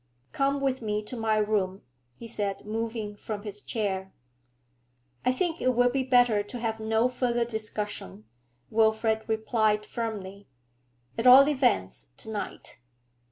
'Come with me to my room,' he said moving from his chair. 'I think it will be better to have no further discussion, Wilfrid replied firmly, 'at all events to night.'